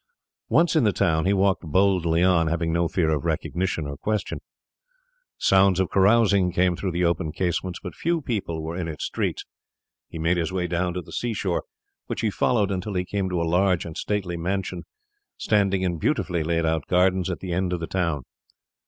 Once in the town, he walked boldly on, having no fear of recognition or question. Sounds of carousing came through the open casements, but few people were in its streets. He made his way down to the sea shore, which he followed until he came to a large and stately mansion standing in beautifully laid out gardens at the end of the town.